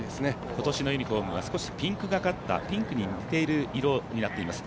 今年のユニフォームは少しピンクがかった、ピンクに似ている色になっています。